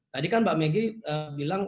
tadi kan mbak meggy bilang